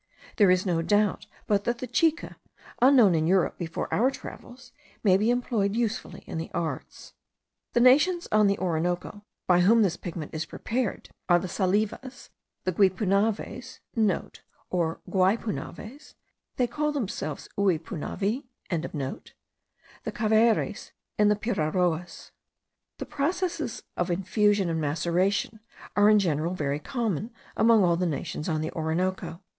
There is no doubt but that the chica, unknown in Europe before our travels, may be employed usefully in the arts. The nations on the Orinoco, by whom this pigment is best prepared, are the Salivas, the Guipunaves,* (* Or Guaypunaves; they call themselves Uipunavi.) the Caveres, and the Piraoas. The processes of infusion and maceration are in general very common among all the nations on the Orinoco.